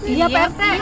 iya pak rete